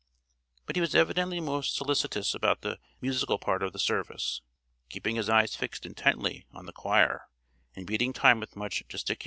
But he was evidently most solicitous about the musical part of the service, keeping his eye fixed intently on the choir, and beating time with much gesticulation and emphasis.